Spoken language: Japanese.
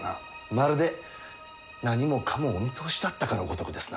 まるで何もかもお見通しだったかのごとくですなあ。